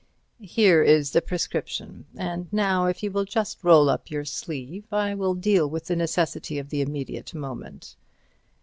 "Here is the prescription. And now, if you will just roll up your sleeve, I will deal with the necessity of the immediate moment."